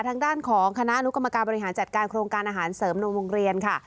ทางด้านของคณะอนุกรรมการบริหารจัดการโครงการอาหารเสริมนมโรงเรียนค่ะ